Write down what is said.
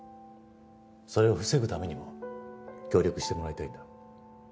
それを防ぐためにも協力してもらいたいんだ。